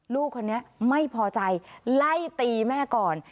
ลูกคนนี้ไม่พอใจไล่ตีแม่ก่อน